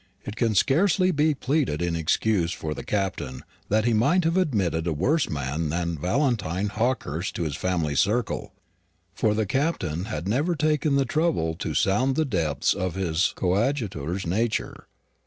It can scarcely be pleaded in excuse for the Captain that he might have admitted a worse man than Valentine Hawkehurst to his family circle, for the Captain had never taken the trouble to sound the depths of his coadjutor's nature.